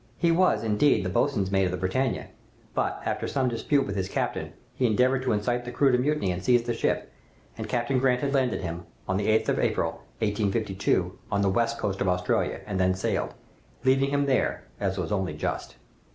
He was, indeed, the boatswain's mate of the 'Britannia,' but, after some dispute with his captain, he endeavored to incite the crew to mutiny and seize the ship, and Captain Grant had landed him, on the 8th of April, 1852, on the west coast of Australia, and then sailed, leaving him there, as was only just.